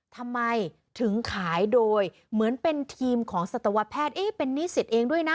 ทำไมถึงขายโดยเหมือนเป็นทีมของสัตวแพทย์เป็นนิสิตเองด้วยนะ